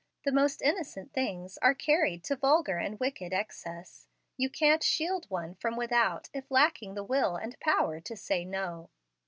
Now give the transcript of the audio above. The most innocent things are carried to vulgar and wicked excess. You can't shield one from without if lacking the will and power to say, No!